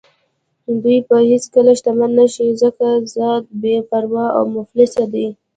دوی به هېڅکله شتمن نه شي ځکه ذاتاً بې پروا او مفلس دي.